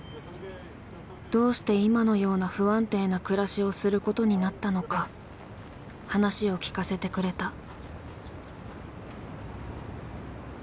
どうして今のような不安定な暮らしをすることになったのか話を聞かせてくれた。